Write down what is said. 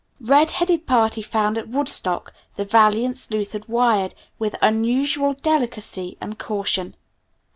"Red headed party found at Woodstock," the valiant sleuth had wired with unusual delicacy and caution.